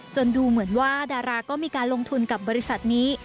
ดูเหมือนว่าดาราก็มีการลงทุนกับบริษัทนี้